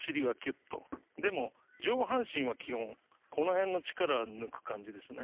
上半身は基本この辺の力は抜く感じですね。